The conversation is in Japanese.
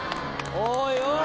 おいおい！